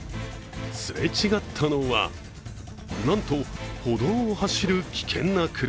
すれ違ったのは、なんと歩道を走る危険な車。